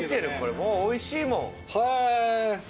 もうおいしいもん。